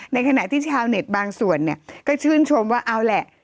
ในขณะที่ชาวเน็ตบางส่วนเนี่ยก็ชื่นชมว่าเอาแหละ